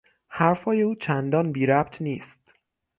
حرفهای او چندان بیربط نیست.